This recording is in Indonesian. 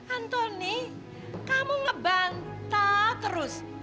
antoni kamu ngebantah terus